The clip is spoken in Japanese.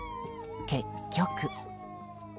結局。